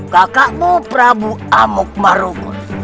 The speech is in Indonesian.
kakakmu prabu amuk marugul